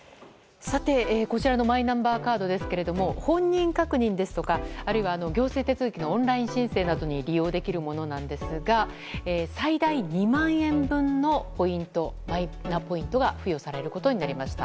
こちらのマイナンバーカードですが本人確認ですとかあるいは行政手続きのオンライン申請などに利用できるものなんですが最大２万円分のマイナポイントが付与されることになりました。